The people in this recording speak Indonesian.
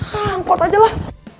hah angkot aja lah